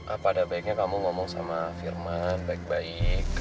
apa ada baiknya kamu ngomong sama firman baik baik